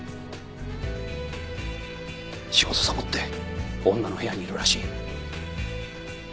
仕事サボって女の部屋にいるらしい。